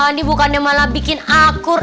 andi bukannya malah bikin akur